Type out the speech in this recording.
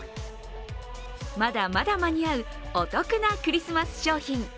まだまだ間に合うお得なクリスマス商品。